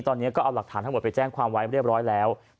ตอนนี้ก็เอาหลักฐานทั้งหมดไปแจ้งความไว้เรียบร้อยแล้ว